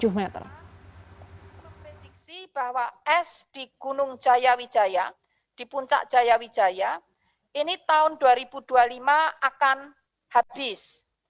saya mengkrediksi bahwa es di gunung jayawijaya di puncak jayawijaya ini tahun dua ribu dua puluh lima akan habis